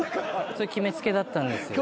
決め付けだったんですよ。